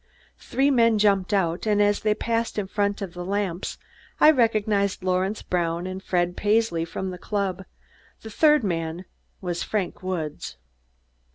Three men jumped out, and as they passed in front of the lamps, I recognized Lawrence Brown and Fred Paisley, from the club; the third man was Frank Woods.